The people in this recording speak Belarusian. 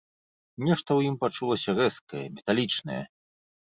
Нешта ў ім пачулася рэзкае, металічнае.